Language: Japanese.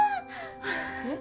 えっ？